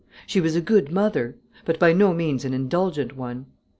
She was a good mother; but by no means an indulgent one.